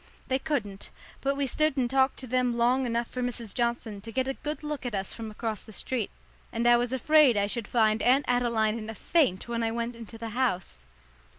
They couldn't; but we stood and talked to them long enough for Mrs. Johnson to get a good look at us from across the street, and I was afraid I should find Aunt Adeline in a faint when I went into the house.